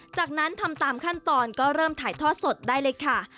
จากนั้นทำตามขั้นตอนก็เริ่มถ่ายทอดสดได้เลยค่ะ